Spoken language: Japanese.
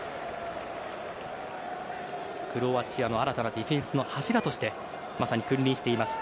クロアチアの新たなディフェンスの柱としてまさに君臨しています